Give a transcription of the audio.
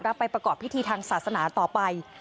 ไปประกอบพิธีทางศาสนาต่อไป